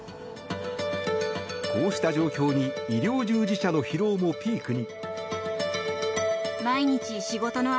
こうした状況に医療従事者の疲労もピークに。